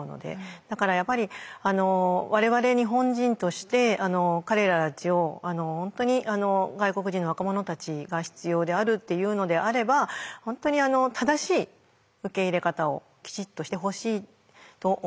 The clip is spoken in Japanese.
だからやっぱり我々日本人として彼らたちを本当に外国人の若者たちが必要であるっていうのであれば本当に正しい受け入れ方をきちっとしてほしいと思ってます。